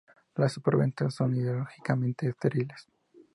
los superventas son ideológicamente estériles